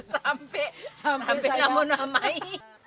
sampai sampai sampai sampai